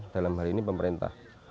dalam hal ini pemerintah